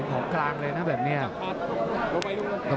ของกลางเลยนะแบบนี้